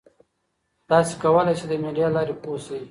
تاسي کولای شئ د میډیا له لارې پوهه شئ.